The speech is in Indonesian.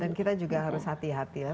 dan kita juga harus hati hati lah